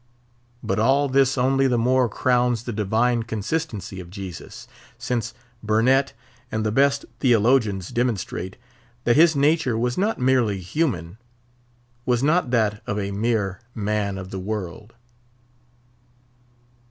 But all this only the more crowns the divine consistency of Jesus; since Burnet and the best theologians demonstrate, that his nature was not merely human—was not that of a mere man of the world.